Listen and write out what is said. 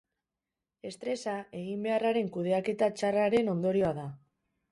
Estresa eginbeharraren kudeaketa txarraren ondorioa da.